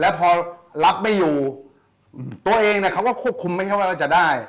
แล้วพอรับไม่อยู่ตัวเองเนี่ยเขาก็ควบคุมไม่ใช่ว่าเราจะได้